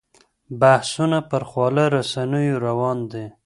بحثونه پر خواله رسنیو روان دي.